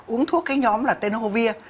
uống thuốc cái nhóm là tenovir